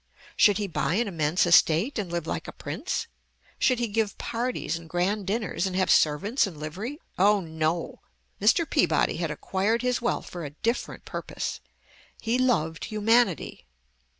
Should he buy an immense estate, and live like a prince? Should he give parties and grand dinners, and have servants in livery? Oh, no! Mr. Peabody had acquired his wealth for a different purpose. He loved humanity.